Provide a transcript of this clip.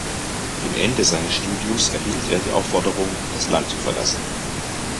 Mit dem Ende seines Studiums erhielt er die Aufforderung, das Land zu verlassen.